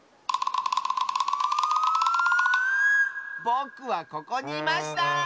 ぼくはここにいました！